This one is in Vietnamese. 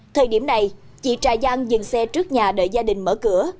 thời điểm này chị trà giang dừng xe trước nhà đợi gia đình mở cửa